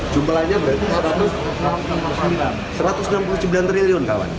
jumlahnya berarti satu ratus enam puluh sembilan triliun kawan